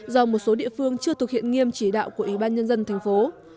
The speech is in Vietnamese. do một số địa phương chưa thực hiện nghiêm chỉ đạo của ủy ban nhân dân tp hcm